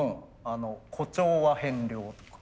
誇張は変量とか。